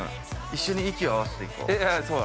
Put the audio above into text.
◆一緒に息を合わせて行こう。